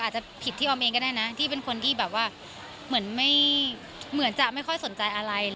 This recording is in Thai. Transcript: อาจจะผิดที่ออมเองก็ได้นะที่เป็นคนที่แบบว่าเหมือนจะไม่ค่อยสนใจอะไร